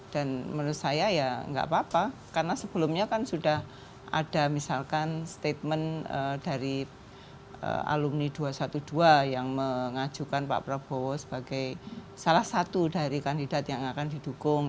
dan menurut saya ya nggak apa apa karena sebelumnya kan sudah ada misalkan statement dari alumni dua ratus dua belas yang mengajukan pak prabowo sebagai salah satu dari kandidat yang akan didukung